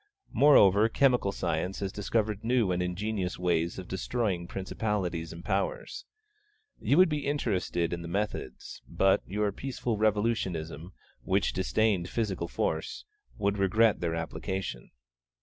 Moreover, chemical science has discovered new and ingenious ways of destroying principalities and powers. You would be interested in the methods, but your peaceful Revolutionism, which disdained physical force, would regret their application.